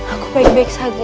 aku baik baik saja